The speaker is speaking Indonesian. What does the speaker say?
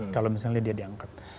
kalau misalnya dia diangkat